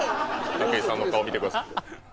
武井さんの顔見て下さい。